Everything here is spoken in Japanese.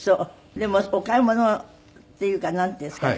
でもお買い物っていうかなんていうんですかね。